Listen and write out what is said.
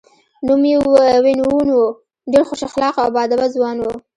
نوم یې وین وون و، ډېر خوش اخلاقه او با ادبه ځوان و.